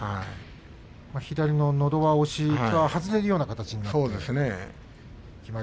左ののど輪押しが外れるような形になったんですかね。